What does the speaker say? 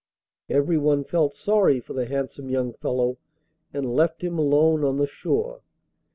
Everyone felt sorry for the handsome young fellow and left him alone on the shore.